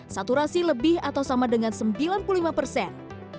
saturasi lebih atau sama dengan sembilan puluh lima persen